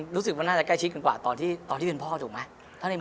รู้สึกว่าน่าจะใกล้ชิดกันกว่าตอนที่เป็นพ่อถูกไหม